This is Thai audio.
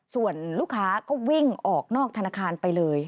ส่วนลูกค้าก็วิ่งออกนอกธนาคารไปเลย